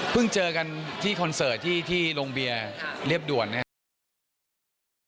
เพิ่งเจอกันที่คอนเสิร์ตที่ที่ลงเบียร์ครับเรียบด่วนเนี้ย